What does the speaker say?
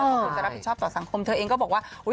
แล้วคุณจะรับผิดชอบต่อสังคมเธอเองก็บอกว่าอุ้ย